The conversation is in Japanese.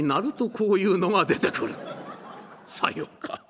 さようか。